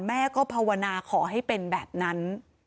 แม่ก็ภาวนาขอให้เป็นแบบนั้น